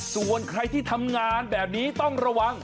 ส่วนใครที่ทำงานแบบนี้ต้องระวัง